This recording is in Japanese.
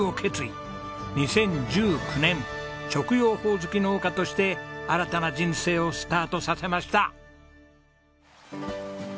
２０１９年食用ホオズキ農家として新たな人生をスタートさせました。